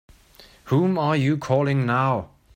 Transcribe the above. Whom are you calling now?